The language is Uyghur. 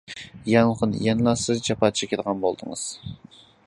يانغىن، يەنىلا سىز جاپا چېكىدىغان بولدىڭىز.